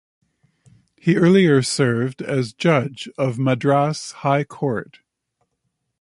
He earlier served as Judge of Madras High Court.